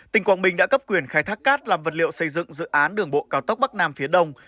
tỉnh quảng bình đã cấp quyền khai thác cát làm vật liệu xây dựng dự án đường bộ cao tốc bắc nam phía đông